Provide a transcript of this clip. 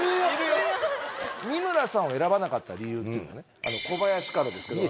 三村さんを選ばなかった理由っていうのがね小林からですけど。